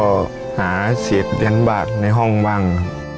ก็หาเสียดนยันบาทในห้องบ้าง